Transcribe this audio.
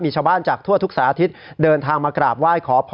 มีชาวบ้านจากทั่วทุกสาธิตเดินทางมากราบไหว้ขอพร